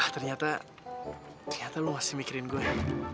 ah ternyata ternyata lo masih mikirin gue